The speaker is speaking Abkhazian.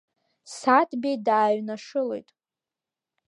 Саҭбеи дааҩнашылоит.